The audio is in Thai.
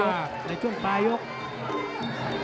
ภายกรุกในช่วงตรายกรุก